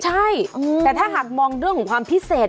ใช่แต่ถ้าหากมองเรื่องของความพิเศษ